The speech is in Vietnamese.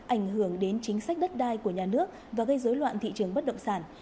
ảnh hưởng đến chính sách đất đai của nhà nước và gây dối loạn thị trường bất động sản